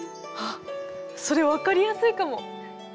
あっそれ分かりやすいかも。